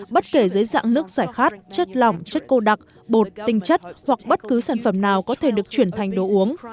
bất kể dưới dạng nước giải khát chất lỏng chất cô đặc bột tinh chất hoặc bất cứ sản phẩm nào có thể được chuyển thành đồ uống